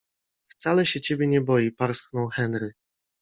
- Wcale się ciebie nie boi - parsknął Henry.